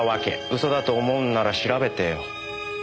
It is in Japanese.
嘘だと思うんなら調べてよ。